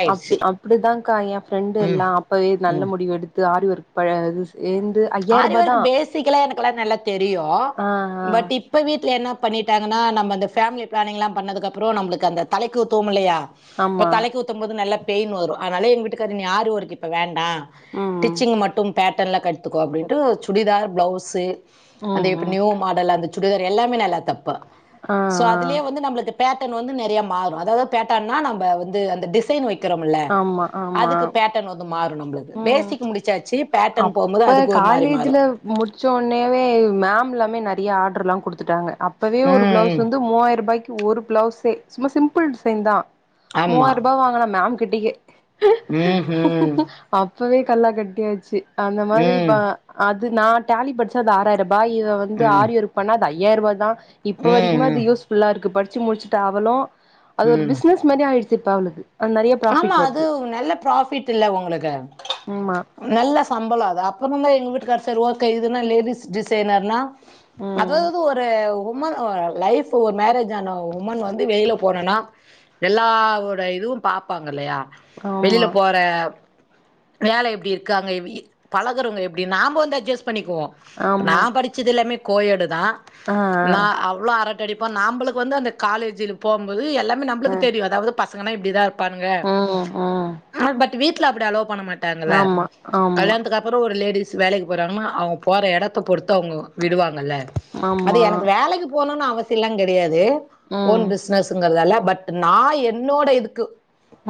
ஆயிடுச்சு அப்டி அப்டிதான்கா என் ஃப்ரெண்டு ம் எல்லா அப்பவே நல்ல ம் முடிவு எடுத்து ஆரி ஒர்க் பழகு ஆரி வொர்க்கு பேசிக்கெல்லா எனக்கெல்லா நல்லா தெரியு ஆ ஆ பட் இப்ப வீட்ல என்ன பண்ணி ட்டாங்கன்னா நம்ம அந்த ஃபேமிலி பிளானிங் எல்லா பண்ணதுக்கு அப்றோ நம்மளுக்கு அந்த தலைக்கு ஊத்துவோம் இல்லையா இப்ப ஆமா தலைக்கு ஊத்தும் போது நல்லா பெயின் வரு அதனால எங்க வீட்டுக்காரு ஆரிவொர்க் இப்ப வேண்டா ம் டிச்சிங் மட்டு பேட்டர்ன்ல கத்துக்கோ அப்டின்ட்டு சுடிதார், பிளவுஸு ம் அந்த ம் இப்ப ம் நியூ மாடல் அந்த சுடிதார் எல்லாமே நல்லா தெப்பே ஆ சோ ஆ அதுலயே வந்து நம்ம பேட்டன் வந்து நெறயா மாறு அதாவது பேட்டனா நம்ம வந்து அந்த டிசைன் வெ க்கிறோம்ல்ல ஆமா ஆமா அதுக்கு பேட்டன் வந்து மாறு நம்மளுக்கு பேசிக் முடிச்சாச்சு பேட்டன் போம்போது அ காலேஜில முடிச்சொன்னேவே மேம் எல்லாமே நெறயா ஆர்டர் எல்லாம் குடுத்துட்டாங்க அப்பவே ஒரு ப்ளவுஸ் ம் வந்து மூவாயிர ரூபாய்க்கு ஒரு ப்ளவுஸ்ஸே சும்மா சிம்பிள் டிசைன் தா மூவாயிர ரூபா வாங்குன மேம் கிட்டயே உம் ஹும் அப்பவே கல்லா கட்டியாச்சு அந்த மாதிரி இப்ப ம் அது நா டாலி படிச்சது ஆறாயிர பா இத வந்து ம் ஆரி ஒர்க் பண்ணா அது ஐயாயிற ரூபா தா இப்ப வரிக்குமே அது ம் ம் யூஸ்ஃபுல்லா இருக்கு படிச்சி முடிச்சுட்டு அவளு அது ஒரு ம் பிசினஸ் மாதிரி ஆயிடுச்சு இப்ப அவளுக்கு அது நெறைய ஆமா ப்ராஃபிட் அது வருது நல்ல ப்ராஃபிட் இல்ல உங்களுக் ஆமா க்கு நல்ல சம்பளோ அது அப்பறமா எங்க வீட்டுக்கார் சரி ஓகே இதுனா லேடிஸ் டிசைனர்னா ம் அதாவது ஒரு உமன் ஒரு லைப்ஃபு ஒரு மேரேஜ் ஆன உமன் வந்து வெளியில போனும்னா எல்லாவோட இதுவு பா ப்பாங்க இல்லயா வெளில ஆமா போற வேல எப்டி இருக்காங்க எப்டி பழகறவங்க எப்டி நாம வந்து அட்ஜஸ் பண்ணிக்குவோ நா ஆமா படிச்சது எல்லாமே கோ எடு தா ஆ நா அவ்ளோ அரட் அடிப்போ நாம்பளுக்கு வந்து அந்த காலேஜில் போம்போது எல்லாமே ஆ நம்பளுக்கு தெரியு அதாவது பசங்க னா இப்டிதா ப்பானுங்க ம் ம் அத பத்தி வீட்ல அப்டி அளோ பண்ண மாட்டாங்கள்ல ஆமா ஆமா கல்யாணத்துக்கு அப்பறோ ஒரு லேடிஸ் வேலைக்கு போறாங்கன்னா அவுங்க போற எடத்த பொறுத்து அவுங்க விடுவாங் னல்ல அது ஆமா எனக்கு வேலைக்கு போனுன்னு அவசியல்ல கெடியாது ஓன் ம் பிசினஸ்ங்கறதால்ல பட் நா என்னோட இதுக்கு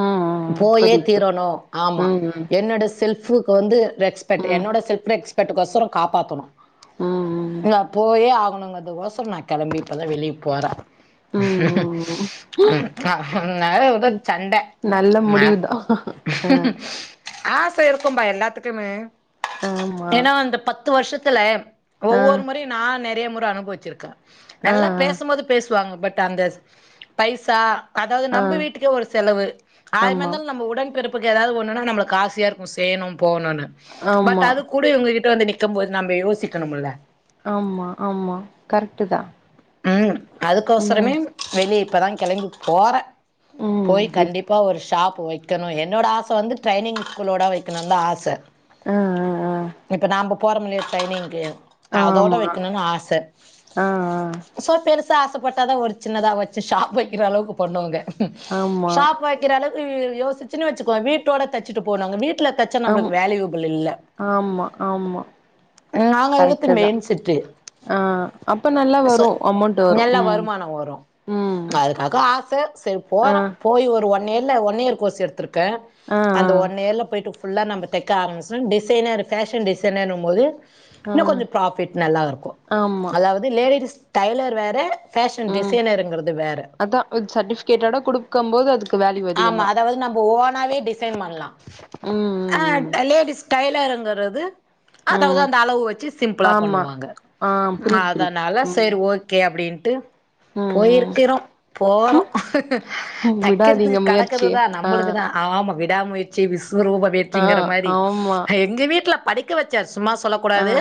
ம் ம் போயே புரியுது தீரணு ஆமா புரியுது என்னோட செல்ஃபுக்கு வந்து ரெக்ஸ்பெக்ட் ம் என்னோட செல்ஃப் ரெக்ஸ்பெக்ட்க்கு கொசரோ காப்பாத்தணு ம் ம் ம் போயே ஆகணு அதுக் கொசோரோ நா கெளம்பி இப்பதா வெளிய போற ம் ம் ம் [unintelligible] ண்ட நல்ல மேப் முடிவுதா ஆ ஆச இருக்கும்பா எல்லாத்துக்குமே ஆமா ஏன்னா அந்த பத்து வருஷத்துல ஆ ஒவ்வொரு முறையு நா நெறைய முற அனுபவிச்சிருக்க ஆ நல்லா பேசபோது பேசுவாங்க பட் அந்த பைசா அதாவது ஆ ஆ நம்ப வீட்டுக்கே ஒரு செலவு ஆய்ரமே ஆமா இருந்தாலு நம்ம உடன்பிறப் புக்கு எதாவது ஒண்ணுனா நம்பளுக்கு ஆசியா இருக்கு செய்யணு போணுனு பட் ஆமா அது கூட இவுங்ககிட் ட்ட வந்து நிக்க போது நம்ம யோசிக்கணும்ல ஆமா ஆமா கரெக்டு தா உம் ம் அதுக்கொசரமே வெளிய இப்பதா கெளம்பி ‍போற ம் போய் இப் கண்டிப்பா ஒரு ஷாப் வைக்கணு என்னோட ஆச வந்து ட்ரைனிங் ஸ்கூலோட வைக்கணுந்தா ஆச ஆ ஆ இப்ப நாம்ப போறோம்லிய ட்ரைனிங்கு ஆ அதோட ஆமா வைக்கணுனு ஆச ஆ ஆ சோ பெரு சா ஆசப்பட்டாதா ஒரு சின்னதா வச்சு ஷாப் வக்கிற அளவுக்கு பண்ணுவாங்க ஆமா ஷாப் வக்கிற அளவுக் யோசிச்சுனு வச்சுக்கோ வீட்டோட தச்சிட்டு போனுவாங்க வீட் ட்ல தச்சா ஆம் நம்பளுக்கு வேல்யூபிள் இல்ல ஆமா ஆமா நாங்க எடுத்துது கரெக்ட்டு தா மேன் செட்டு ஆ அப்ப நல்லா சோ வரு அமௌண்ட் வரு நல்ல ம் வருமானோ வரு ம் அதுக்காக ஆச சரி ஆ போறோ போ போய் ஒரு ஒன் இயர்ல ஒன் இயர் கோர்ஸ் எடுத்துருக்க ஆ ஆ அந்த ஒன் இயர்ல போயிட்டு ஃபுல்லா நம்ப தைக்க ஆரமிச்சோ டிசைனர் ஃபேஷன் டிசேனர்னும்போது ஆ இன்னு கொஞ்சோ ப்ராஃபிட் நல்லா இருக்கு ஆமா அதாவது லேடிஸ் டைலர் வேற ஃபேஷன் ம் டிசைனர்ருங்கறது வேற அதா சர்டிபிகேட்டோட குடுக்கம் போது அதுக்கு வேல்யூ ஆமா அதிகந்தா அதாவது நம்ம ஓனாவே டிசைன் பண்லா ம் அஹ் ம் ம் லேடிஸ் டைலருங்கறது அதாவது ம் அந்த அளவு வச்சு சிம்பிளா ஆமா பண்ணுவாங்க ஆ புரியுது புரியுது அதனால ம் சரி ஓகே அப்டின் ட்டு ம் போயிருக்கிறோ போறோ ம் ம் விடாதீங்க தக்கிறதுக்கு முயற்சிய கடக்குதுதா ஆ நம்மளுக்கு தா ஆமா விடா முயற்சி விஸ்வரூப ஆ வெற்றிங்கிற மாறி ஆமா எங்க வீட்ல படிக்க வச்சாச் சும்மா ஆ சொல்லகூடாது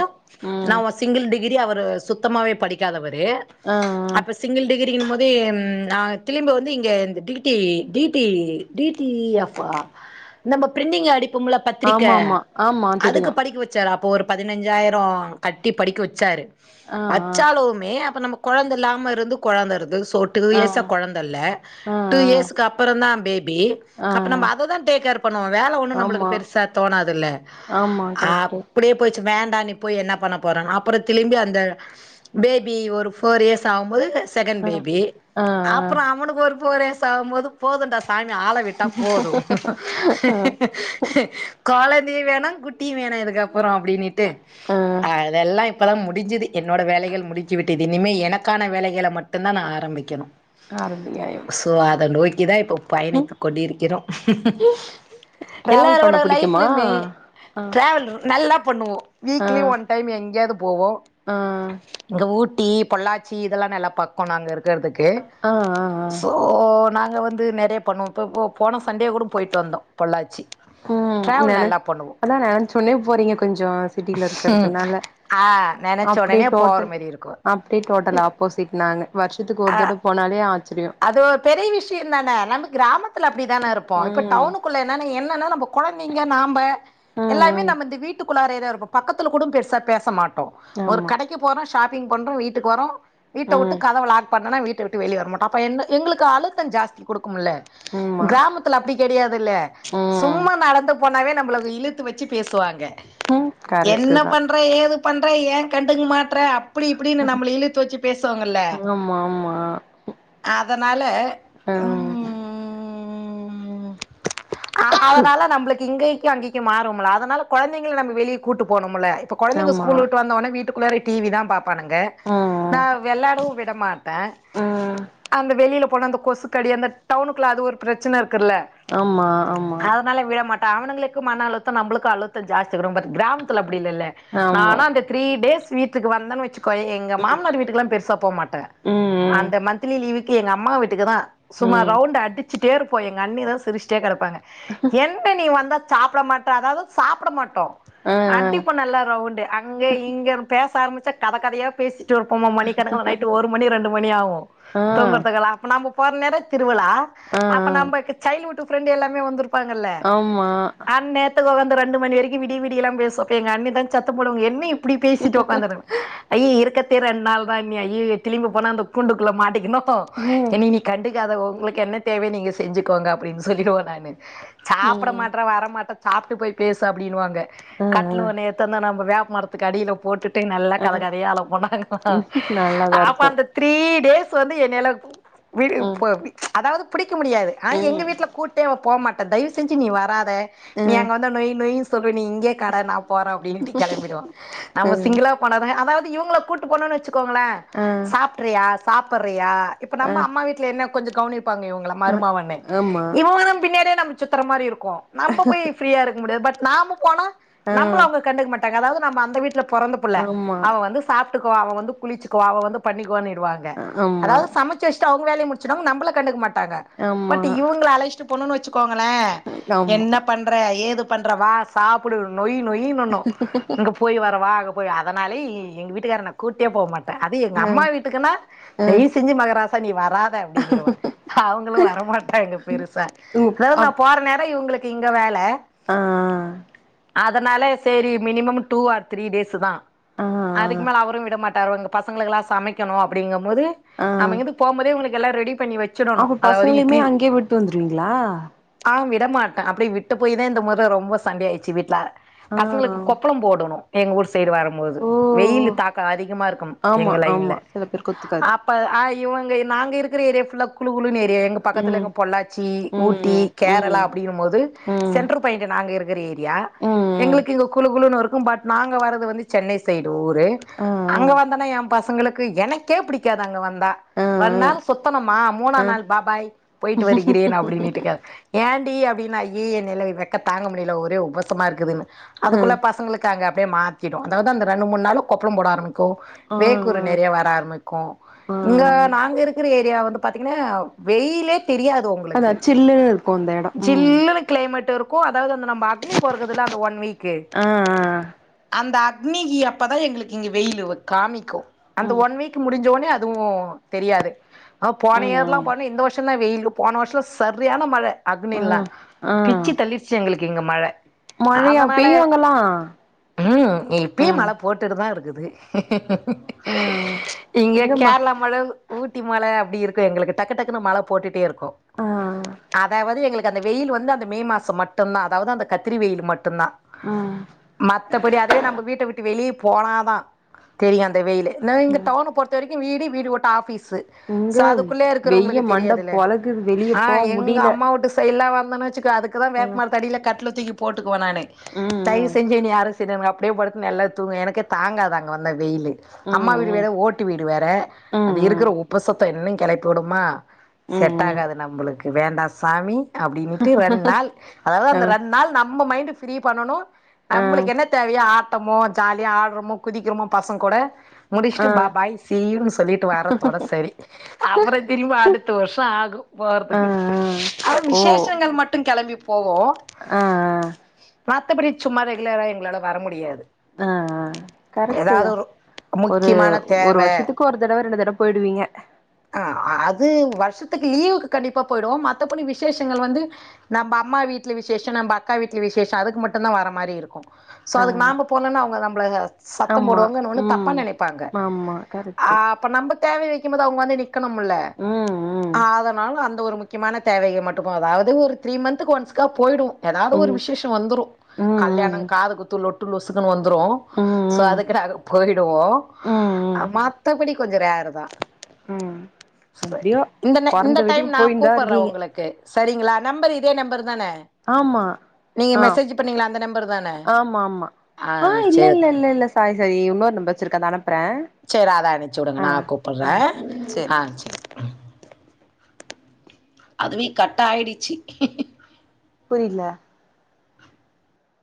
நா ம் சிங்கிள் டிகிரி அவரு சுத்தமாவே படிக்காதவர் ஆ ஆ அப்ப சிங்கிள் டிகிரிம் போது ம் அ திளிம்ப வந்து இங்க இந்த டிகி டி டிபி டிடி எஃப் ஆ நம்ம பிரிண்டிங் அடிப் போம்ள பத்திரிக்க ஆமாமா ஆமா தெரியு அதுக்கு படிக்க வச்சாரு அப் ப ஒரு பதினஞ்சாயிரோ கட்டி படிக்க வச்சாரு ஆ ஆ வச்சாலுமே அப்ப நம்ம கொழந்த இல்லாம இருந்து கொழந்தருந்து சோ டூ ஆ இயர்ஸா கொழந்த இல்ல ஆ டூ இயர்ஸ்க்கு அப்பறோ தா பே பி ஆ அப்ப நம்ப ஆ அததா டேக்கேர் பண்ணுவோ வேல ஒண்ணு நம்மளுக்கு ஆமா பெருசா தோணாதுல்ல ஆமா கரெக்ட்டு அப்டே போச் வேண்டா நீ போயி என்ன பண்ண போற அப்றோ திளும்பி அந்த பேபி ஒரு ஃபோர் இயர்ஸ் ஆவும்போது செகண்ட் ஆ பேபி ஆ ஆ அப்றோ அவனுக்கு ஒரு ஃபோர் இயர்ஸ் ஆவும்போது போதுன்டா சா ஆள விட்டா போது கொழந்தயு வேணா ட்டியு வேணா இதுக்கப்பறோ அப்டின்னிட்டு ஆ அதெல்லா இப்பதா முடிஞ்சிது என்னோட வேலைகள் முடிச்சு விட்டுது இனிமே எனக்கான வேலைகளை மட்டுதா நா ஆரம்பிக்கணு ஆரம் [unintelligible] சோ அத நோக்கி தா இப்போ பயணித்து கொண்டிருக்கிறோ டிராவல் பண்ண எல்லாரோட பிடிக்குமா லைஃப்லயுமே ஆ ஆ டிராவல் நல்லா பண்ணுவோ ஆ வீக்லி ஒன் டைம் எங்கேயாவது போவோ ஆ இங்க உட் டீ பொள்ளாச்சி இதெல்லா நல்ல பக்க நாங்கே இருக் ஆ ஆ ஆ ஒ நாங்க வந்து நெறைய பண்ணுவோ இப்போ போன சண்டே கூட போயி்ட்டு வந்தோ பொள்ளாச்சி ம் டிராவல் நென நல்லா பண்ணுவோம் அதா நெனைச்ச உன்னே போறீங்க கொஞ்ச சிட்டில ம். இருக்கிறதுனாலே ஆ நெனைச்ச அப்டியே உடனே போற டோட்டல் மாரி இருக்கும் அப்டியே டோட்டல் ஆப்போசிட் நானு வருஷத்துக்கு ஒரு ஆ தட போனாலே ஆச்சி அது ஒரு பெரிய விஷய தானே நம்ம கிராமத்துல அப்டிதானே இருப்போ இப்ப ம் டவுனுக்குள்ளே என்ன என்னன்னா நம்ப குழந்தைங்க நாம்ப ம் எல்லாமே ம் நம்ம இந்த வீட்டுக்குள்ளாரயே தா இருப் போ பக்கத்துல கூட பெருசா பேச மாட்டோ ஒரு ஆமா கடைக்கு போறோ ஷாப்பிங் பண்றோ வீட்டுக்கு வரோ வீட்டே உட்டு ம் கதவ ஆ லாக் பண்ணனா வீட்டே விட்டு வெளியே வர மாட்டா அப்ப என் எங்களுக்கு அழுத்த ஜாஸ்தி கொடு ம்ல்லே ஆமா கிராமத்தில அப்டி கடையாது இல்லே ம் சும்மா நடந்து போனாவே நம்ம இழுத்து வச்சு பேசுவாங்க ம் என்ன கரெக்ட்டு தா பண்ற ஏது பண்ற ஏ கண்டுங்க மாட் றே அப்டி இப்டின்னு நம்மளே இழுத்து வச்சு பேசுவாங்கல்லே ஆமா ஆமா அதனால ம் ம் அ அதனால நம்மளுக்கு இங்கேக்கு அங்கேக்கு மாறுவம்லே அதனால குழந்தைங்கல நம்ப வெளியே கூட்டு போனும்லே இப்ப குழந்தைங்க ஆமா ஸ்கூல் உட்டு வந்தோனோ வீட்டுகுள்ளற டிவி தா பாப் பண்ணுங்க நா ம் விளாடவு விட மாட்டே ம் வெளியிலே போன இந்த கொசுக்கடி அந்த டவுனுக்குள்ள அது ஒரு பிரச்சனை இருக் குலே ஆமா ஆமா அதனால விட மாட்ட அவணுங்களுக்கு மன அழுத்த நம்மளுக்கு அழுத்த ஜாஸ்தி ரொம்ப கிராமத்தல அப்டி இல்லலே ஆமா நானா அந்த த்ரீ டேஸ் வீட்டுக்கு வந்தன்னு வச்சு க்கோ எங்க மாமனார் வீட்டுக்கெல்லா பெருசா போ மாட்டே ம் ம் அந்த மந்த்லி லீவுக்கு எங்க அம்மா வீட்டுக்கு தா சும்மா ம் ரவுண்ட் அடிச்சிட்டே இருப்போ எங்க அண்ணிதா சிரிச்சிட்டே கிடப்பாங்க என்ன நீ வந்தா சாப்ட மாட்டே அதாவது சாப்ட மாட் டோ ஆ அடிப்ப நல்லா ரவுண்டு அங்க இங்க பேச ஆரம்பிச்சா கதை கதையா பேசி வப்போமா மணிக்கனக்கா நைட் ஒரு மணி ரெண்டு மணி ஆகு ஆ ஆ துங்குறதுக்ல நாம போற நேர திரு ருவிழா ஆ அப்ப நம்க்கு சைல்டுஹுட் ஃப்ரெண்ட் எல்லாமே வந்துரு பாங்கல்லே ஆமா அன்னேத்துக்கு உக்காந்து ரெண்டு மணி வரைக்கு விடிய விடியெல்லா பேசுவே எங்க அண்ணி தா சத்த போடுவாங்க என்ன இப்டி பேசிட்டு உக்காந்துருங் ஐய்யய் இருக்கற க்கே ரெண்டு நாள் தா அண்ணி அய்யயோ திளும்பி போனா அந்த கூண்டுக்குள்ள மாட்டிக்கணு ம் என்ன நீ கண்டுக்காத உங்களுக்கு என்ன தேவைனு நீங்க செஞ்சுக்கோங்க அப்டின்னு சொல்லிருவோ நானு சாப்ட ம் மாட்ரா வரமாட்டே சாப் ட்டு போய் பேசு அப்டின்னுவாங்க ஆ கட்ல ஒன்ன எத்து வந்து நம் வேப்மரத்துக்கு அடியிலே போட்டு அன் டைம் நல்லா ஆ கத கதையா ஆலப்போ நாங்கல்லா நல்லாதா அப்ப இருக்கு அந்த த்ரீட் டேஸ் வந்து என்னேலக் கூப் விடு ம் போ அதாவது புடிக்க முடியாது ஆனா எங்க ம் வீட்டுல கூட்டே வப்போமாட்டே தயவு செஞ்சு நீ வராத ஆ நீ அங்க வந்து நொய் நொய் சொ நீ இங்கே கட நா போறே அப்புடின்னுட்டு கிளம்பிடுவா ஆ நம்ம சிங்களா போனாத அதா இவங்களே கூட்டு போணம்னு வச்சுக்கோங்களே ஆ ஆ சாப்பிட்றியா சாப்பறியா இப்ப ஆ நம்ம அம்மா வீட்ல என்ன கொஞ்ச கவனிப்பாங்க இவங்கள மருமாவண்ணு ஆமா இவழு பின்னாடியே நம்ப சுத்துற மாரி இருக்கு கோ நம்ம போய் பீரியா இருக்க முடியாது பட் நாம்ம போனா ஆ நம்மள அவங்க கண்டுக்க மாட்டாங்க அதாது நம்ப அந்த வீட்ல பொறந்த பிள்ளே ஆமா அவ வந்து சாப்ட்டுக்குவா அவ வந்து குளிச்சுக்குவா அவ வந்து பண்ணிக்குவானிடுவாங்க ஆமா அதாது சமைச்சு வச்சுட்டு அவங்க வேலைய முடிச்சுடுவாங்க நம்ள கண்டுக்க மாட்டாங்க ஆமா பட் இவங்கள அழைச்சிட்டு போனுனு வச்சு க்கோங்களே ஆமா என்ன பண்ற ஏது பண்ற வா சாப்பிடு நொய் நொய்னுன்னு இங்க போய் வரவா அங்க போய் அதனாலே எ எங்க வீட்டுக்கார என்ன கூட்டே போ மாட் அது ஆ எங்கம்மா வீட்டுக்குன்னா ஆ தயவு செஞ்சு மகராசா நீ வராத அப்புடின்னு விடுவ அவங்களு வரமாட்டாங்கா பெருசா உ அதா நா அப் போற நேர இவங்களுக்கு இங்க வேல ஆ அதனால செரி மினிமம் டூ ஆர் த்ரீ டேஸ்ஷுதா ஆ அதுக் மேல அவரு விட மாட் டவங்க பசங்ளுக்லா சமைக்கணோ அப்டிங்க போது ஆ நம்ம இங்கந்து போம்போதே உங்ளுக்கெல்லா ரெடிப் பண்ணி வச்சிடணோ அப்ப அதாவ்து பசங்களையுமே இட்லி அங்கேயே விட்டு வந்துருவீங்களா ஆவ்ங்கு விட மாட்டே அப்டி விட்டு போய் த இந்த மொற ரொம்ப சண்டயாய்ச்சி வீட்ல ஆ ஆ பசங்ளுக் கொப்ளோ போடோணோ எங்க ஊர் சய்டு வரம்போது ஓ ஓ வெயிலு தாக்க அதிகமா இருக்கும் ஆமா எங்க ஆமா லைன்ல சில பேருக்கு ஒத்துக்காது அப்ப அ இவங் நாங்க இருக்ற ஏரியா புஃல்லா குளு குளுனே எங்க பக்கத்துல ம் எங்க பொள்ளாச்சி ஊட்டி ம் கேரளா ம் அப்டின் போது ம் சென்ட்ரல் பாயிண்ட் நாங்க இருக் கர் ஏரியா ம் ம் எங்ளுக்கு இங்க குளு குளுனுருக்கு பட் நாங்க வரது வந்து சென்னை சய்டு ஊர் வெ ஆ அங்க வந்தனா ஏ பசங்ளுக்கு எனக்கே பிடிக்காது அங்க வந்தா ஆ வன் நாள் ஆ சுத்தனும்மா மூணா ஆ நாள் பாபாய் போய்ட்டு வருகிறேன் அப்டினிட்டுக்க ஏண்டி அப்டின்னாய் ஈய நிலை வெக்க தாங்க முடில ஒரே உபசமா இருக்குதுன்னு ஆ அதுக்குள்ள பசங்ளுக் அங்க டே மாத்திடு அதாவ்து அந்த ரெண்டு மூண் நாளா கொப்ளோ போட ஆரம்பிக்கு ஆ ஆ வேக்குரு நெறைய வர ஆரம்பிக் கோ ஆ இங்க நாங்க இருக்ற ஏரியா வந்து பாத்தீங்ன்னா வெய்லே தெரியாது அதா உங்ளுக்கு சில்லுன்னு இருக்கு அந்த எடோ ம் ஜில்லுனு க்ளைமேட் இருக் தாவ்து அந்த நம்ம அக்னி பொறக்குதுல அந்த ஒன் வீக்கு ஆ ஆ அந்த அக் அக்னி கி அப்பதா எங்ளுக் இங்க வெயிலு காமிக்கோ அந்த ம் ஒன் வீக் முஞ்ச ஒன்னே அதுவு தெரியாது அ போன ம் இயர்ல்லா ம் போனே இந்த வர்ஷ தா வெய்ல் போன வர்ஷ்ல சர்யான மழ ஆ அக்னில்லா ஆ பிச்சி தள்ளிர்ச்சி எங்ளுக் இங்க மழ மழையா அதனால பெய்யு அங்கல்லா ம் ஆ இப்யு மல போட்டுட்டு தா இருக் குது ஆ எக் இங்கம்மா கேர்ளா மழ ஊட்டி மழ அப்டி இருக்கு எங்ளுக் டக்கு டக்குன் மழ போட்டுட்டே ருக் கு ஆ அதாவது எங்ளுக் அந்த வெயில் வந்து அந்த மே மாஸ மட்டுந்தா அதாவது அந்த கத்திரி வெயில் மட் டுந்தா ஆ மத்தபடி அதுவே நம்ம வீட்ட விட்டு வெளி போனாதா தெரியு அந்த வெயிலு நா இங்க டாவுன பொறத்த வரைக்கு வீடு வீடு விட்டா ஆபீஸ் சு இங்க ச அதுக்குள்ளே வெய்ய இருக்றவுங்ளுக்கு மண்ட தெரியாதுல பொழக்குது வெளிய ஆ போ எங்க முடில அம்மாவுட்டு சைட்லா வ ந்தன வச்சுக்கோ அதுக்குதா வேப் ம் மரதடியில கட்லு தூக்கி போட்டுக்குவே நானு தய்வு ம் செஞ்சே என்னிய யாரஸ் திண்ணுவே அப்டியே படுத் நல்லா தூங்க எனக்கே தங்காத் அங்க வந்த வெய்லு அம்மா ம் வீடு ம் வேற ஓட் ட்டு வீடு வேற ம் அது ம் இருக்ற உப்பசத்த இன்னு கெளப்பி வுடுமா ம் ம் ம் செட்டாகாது நம்மளுக் வேண்டா சாமி அப்டினிட்டு ரெண் நாள் அதாவது அ அந்த ரெண் நாள் நம்ம மைண்ட் ஃப்ரீ பண்ணனு அ நம்ளுக் என்ன தேவயோ ஆட்டமோ ஜாலியா ஆட்றோமோ குதிக்றோமோ பசங் கூட அ முடிஸ்ட்டு பா அ பாய் சி யூ னு சொல்லிட் வர்றதோட செரி அப்றோ திரும்ப அடுத் வர்ஷோ ஆகு அ போறதுக்கு அ விசேஷங்கள் மட்டும் கெளம்பி போவோ ஆ மத்தபடி சும்மா ரெகுலரா எங்ளால வர முடியாது அ அ கரெக்ட்டு ஏதாவது தா ஒரு ஒரு முக்கியமான ஒரு தேவ வருஷத்துக்கு ஒரு தடவ ரெண்டு தடவ போயிடுவீங்க ஆ ஆ அது வர் ஷத்துக்கு லீவுக்கு கண்டிப்பா போய்டுவோ மத்தபடி விசேஷங்கள் வந்து நம்ப அம்மா வீட்ல விசேஷ நம்ப அக்கா வீட் டு விசேஷ அதுக்கு மட்டுந்தா வர மாரி இருக்கு சோ அ அதுக்கு நாம்ப போலன்னா அவுங்க நம்பள சத்தம் ஆமா போடுவாங்க இன்னொன்னு தப்பா ம் நெனைப்பாங்க ஆமா கரெட்டு தேவ வெக்கும்போது அவுங்க வந்து நிக்கணும்ல ம் ம் அதனால அந் இந்த ஒரு முக்கியமான தேவைக மட்டும் அதாவது ஒரு த்ரீ மந்த்துக்கு ஒன்ஸ்க்கா போய்டுவோ ஏதாவுது ஒரு ம் விசேஷ வந்துரு ம் கல்யாண ம் காது குத்து லொட்டு லொசுக்குன் வந் துரு ம் சோ ம் அதுக்குன்னு அதுக்கு போய்டுவோ ம் ஆ ம் மத்தபடி கொஞ்சோ ரேருதா ம் எப்டியோ இந்தன இந்த பொறந்த டைம் வீட்டுக்கு நா போயின்னு தா கூப்பற இருக்கீங்க உங்களுக்கு சரிங்களா நம்பர் இதே நம்பர் தானே ஆமா ஆ அந்த நம்பர் தான ஆமா ஆமா ஆ ஆஹ இல்ல சேரி இல்ல இல்லல்ல சாரி சாரி இன்னொர் நம்பர் வச்சிருக்க அத அனுப் சேரி அத அனுப்ச்சுடுங்க நா கூப்புர்ற ஆ ஆ சேரி ‌ம் அதுவே கட்டாயிடுச்சு புரியில